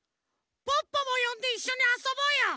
ポッポもよんでいっしょにあそぼうよ。